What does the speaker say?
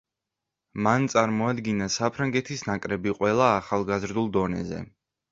მან წარმოადგინა საფრანგეთის ნაკრები ყველა ახალგაზრდულ დონეზე.